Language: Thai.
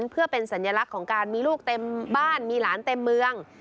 เพื่อเป็นสัญลักษณ์ของการมีลูกเต็มบ้านมีหลานเต็มเมือง